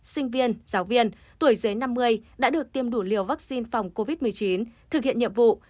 sinh viên giáo viên tuổi dưới năm mươi đã được tiêm đủ liều vaccine phòng covid một mươi chín thực hiện nhiệm vụ